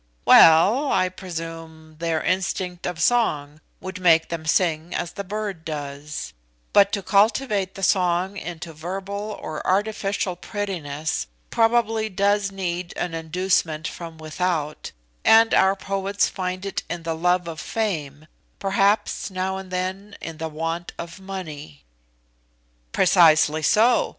"Well, I presume their instinct of song would make them sing as the bird does; but to cultivate the song into verbal or artificial prettiness, probably does need an inducement from without, and our poets find it in the love of fame perhaps, now and then, in the want of money." "Precisely so.